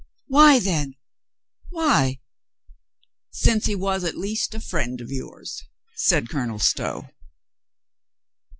"Why, then, why?" "Since he was at least a friend of yours," said Colonel Stow.